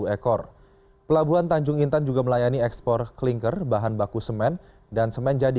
ekor pelabuhan tanjung intan juga melayani ekspor klinker bahan baku semen dan semen jadi